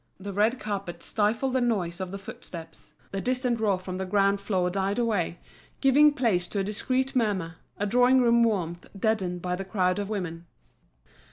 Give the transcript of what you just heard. The red carpet stifled the noise of the footsteps, the distant roar from the ground floor died away, giving place to a discreet murmur, a drawing room warmth deadened by the crowd of women.